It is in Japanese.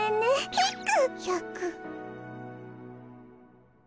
ヒック。